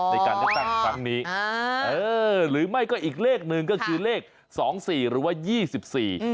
ในการเลือกตั้งครั้งนี้อ่าเออหรือไม่ก็อีกเลขหนึ่งก็คือเลขสองสี่หรือว่ายี่สิบสี่